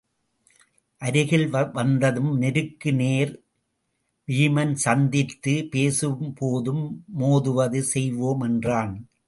அருகில் வந்ததும் நெருக்கு நேர் வீமன் சந்தித்து, பேசுவது போதும் மோதுவது செய்வோம் என்றான்.